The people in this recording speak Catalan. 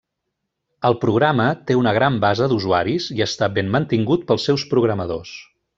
El programa té una gran base d'usuaris i està ben mantingut pels seus programadors.